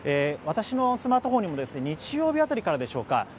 私のスマートフォンにも日曜日辺りからでしょうか。